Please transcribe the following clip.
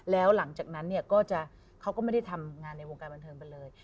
แล้วหลังจากนั้นเนี่ยก็จะเขาก็ไม่ได้ทำงานในวงการบันเทิงไปเลย